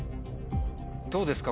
どうですか？